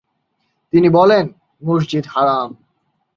তিনি বললেনঃ মসজিদে হারাম।